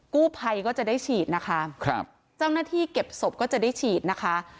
กู้ภัยก็จะได้ฉีดนะคะครับเจ้าหน้าที่เก็บศพก็จะได้ฉีดนะคะ